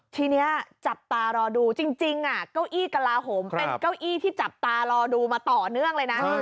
ทีนี้จับตารอดูจริงเก้าอี้กระลาโหมเป็นเก้าอี้ที่จับตารอดูมาต่อเนื่องเลยนะ